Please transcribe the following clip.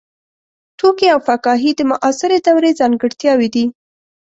ټوکي او فکاهي د معاصرې دورې ځانګړتیاوې دي.